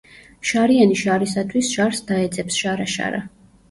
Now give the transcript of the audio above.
შარიანი შარისათვის შარს დაეძებს შარა-შარა